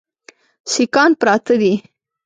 سیکهان پراته دي.